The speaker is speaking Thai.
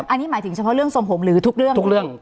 อันนี้หมายถึงเฉพาะเรื่องสมผมรืทุกเรื่อง